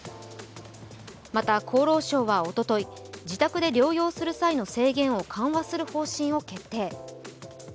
また、厚労省はおととい、自宅で療養する際の制限を緩和する方針を決定。